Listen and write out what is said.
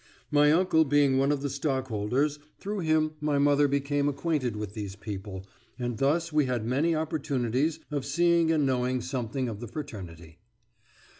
My uncle being one of the stockholders, through him my mother became acquainted with these people, and thus we had many opportunities of seeing and knowing something of the fraternity.